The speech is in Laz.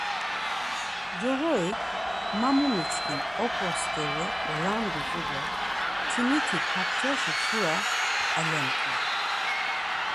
Coğorik, Ma mu miçkin, okro steri randut̆u do mtiniti kapçaşi şura alemt̆u ya.